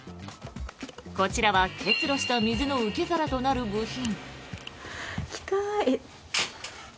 こちらは結露した水の受け皿となる部品。